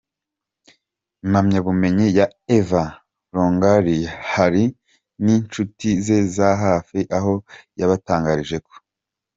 impamyabumenyi ya Eva Longoria, hari ninshuti ze za hafi aho yabatangarije ko.